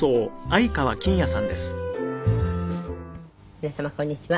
皆様こんにちは。